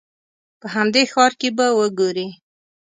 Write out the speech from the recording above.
په همدې ښار کې به وګورې.